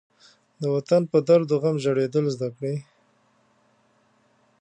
د وطن په درد و غم ژړېدل زده کړه.